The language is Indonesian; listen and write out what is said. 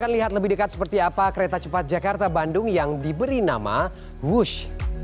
kita lihat lebih dekat seperti apa kereta cepat jakarta bandung yang diberi nama wush